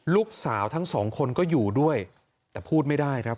ลูกสาวทั้งสองคนก็อยู่ด้วยแต่พูดไม่ได้ครับ